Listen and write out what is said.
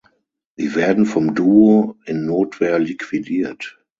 Sie werden vom Duo in Notwehr liquidiert.